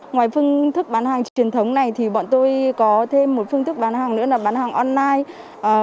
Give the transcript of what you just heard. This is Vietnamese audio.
ngoài phương thức bán hàng truyền thống này thì bọn tôi có thêm một phương thức bán hàng nữa là bán hàng online